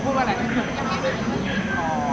ก็พูดว่าอะไรนะ